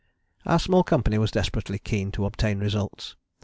Our small company was desperately keen to obtain results.